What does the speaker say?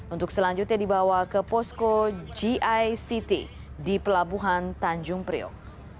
untuk selanjutnya dibawa ke posko gict di pelabuhan tanjung priok